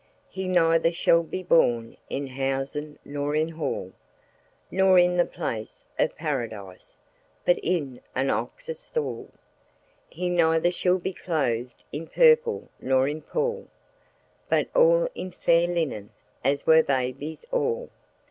"He neither shall be born In housen nor in hall, Nor in the place of Paradise, But in an ox's stall. "He neither shall be clothed In purple nor in pall, But in the fair white linen That usen babies all.